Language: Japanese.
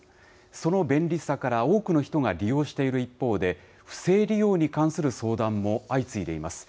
その便利さから多くの人が利用している一方で、不正利用に関する相談も相次いでいます。